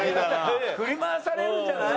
振り回されるんじゃない？